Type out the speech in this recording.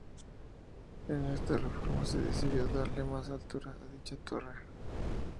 En esta reforma se decidió darle más altura a dicha torre.